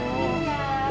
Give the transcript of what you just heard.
bebek bebek bebek